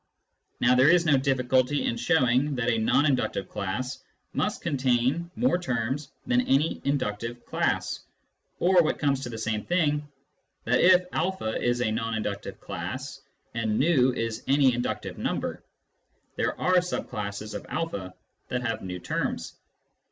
Now there is no difficulty in showing that a non inductive class must contain more terms than any inductive class, or, what comes to the same thing, that if a is a non induc tive class and v is any inductive number, there are sub classes of a that have v terms.